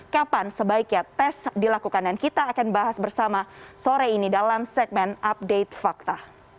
kapan sebaiknya tes dilakukan dan kita akan bahas bersama sore ini dalam segmen update fakta